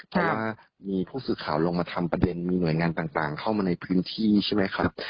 เพราะว่ามีผู้สื่อข่าวลงมาทำประเด็นมีหน่วยงานต่างเข้ามาในพื้นที่ใช่ไหมครับ